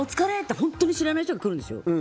本当に知らない人が来るんですよ？